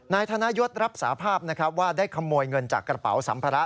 นายธนยศรับสาภาพนะครับว่าได้ขโมยเงินจากกระเป๋าสัมภาระ